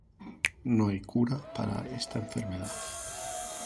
No hay cura para esta enfermedad.